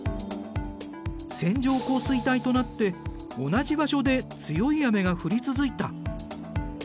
線状降水帯となって同じ場所で強い雨が降り続いた。